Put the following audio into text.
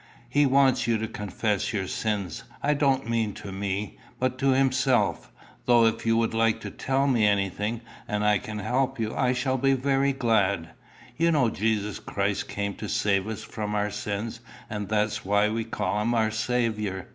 "He wants you to confess your sins. I don't mean to me, but to himself; though if you would like to tell me anything, and I can help you, I shall be very glad. You know Jesus Christ came to save us from our sins; and that's why we call him our Saviour.